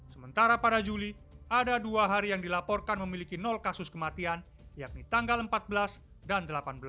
sementara pada juli ada dua hari yang dilaporkan memiliki kasus kematian yakni tanggal empat belas dan delapan belas